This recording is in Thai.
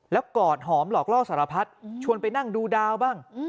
แล้วกอดหอมหลอกล่อสารพัดชวนไปนั่งดูดาวบ้าง